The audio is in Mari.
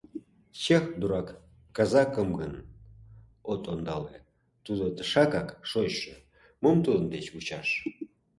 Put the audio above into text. Чех — дурак, казакым гын от ондале: тудо тышакак шочшо, мом тудын деч вучаш?